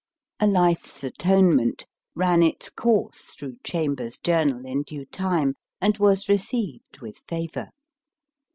* A Life s Atonement ran its course through Chamber s*s Journal in due time, and was received with favour.